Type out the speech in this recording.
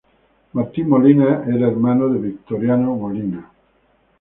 Martín Molina era hermano de Victoriano Molina.